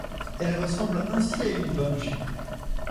Elle ressemble ainsi à une banshee.